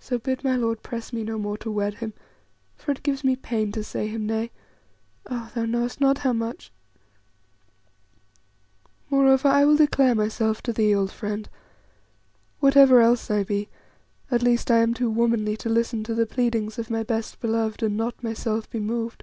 So bid my lord press me no more to wed him, for it gives me pain to say him nay ah! thou knowest not how much. "Moreover, I will declare myself to thee, old friend; whatever else I be, at least I am too womanly to listen to the pleadings of my best beloved and not myself be moved.